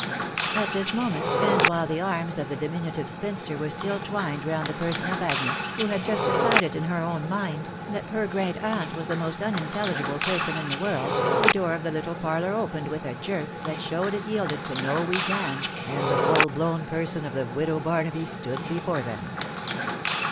At this moment, and while the arms of the diminutive spinster were still twined round the person of Agnes, who had just decided in her own mind that her great aunt wait the most unintelligible person in the world, the door of the little parlour opened with a jerk that showed it yielded to no weak hand, and the full blown person of the widow Barnaby stood before them.